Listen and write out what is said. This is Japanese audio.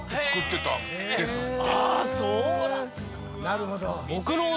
なるほど。